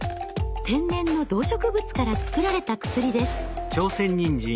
天然の動植物から作られた薬です。